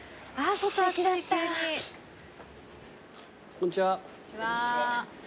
こんにちは。